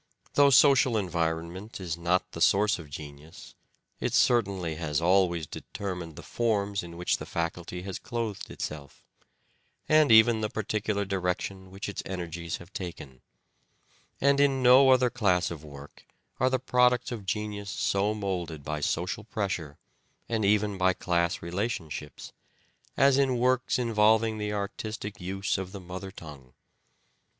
Though social environment is not the source of genius, it certainly has always determined the forms in which the faculty has clothed itself, and even the particular direction which its energies have taken : and in no other class of work are the products of genius so moulded by social pressure, and even by class relationships, as in works involving the artistic use of the mother tongue.